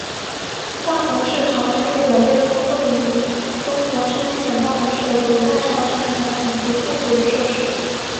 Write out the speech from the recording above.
大同市长城列表列出位于中国山西省大同市的古代长城墙体及附属设施。